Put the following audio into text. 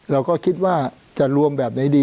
เราก็คิดว่าจะรวมแบบไหนดี